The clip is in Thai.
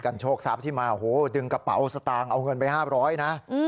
โชคทรัพย์ที่มาโอ้โหดึงกระเป๋าสตางค์เอาเงินไป๕๐๐นะ